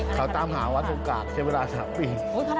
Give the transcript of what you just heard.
เขาตามหาวัดศูกราบเช็บเวลา๓ปี